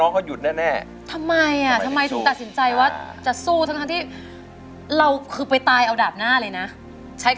ก็แม่ทำงานมาเยอะแล้ว